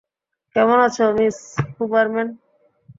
কেমন আছ, Miss Huberman?